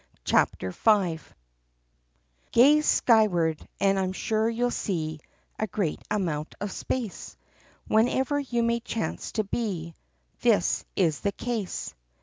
CHAPTER V Gaze skyward and I ' m sure you 'll see A great amount of space. Wherever you may chance to he This is the case.